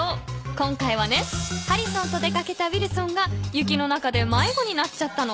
今回はねハリソンとでかけたウィルソンが雪の中でまいごになっちゃったの。